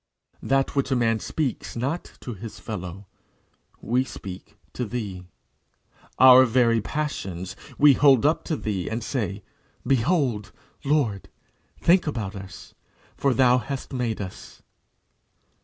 That which a man speaks not to his fellow, we speak to thee. Our very passions we hold up to thee, and say, "Behold, Lord! Think about us; for thus thou hast made us."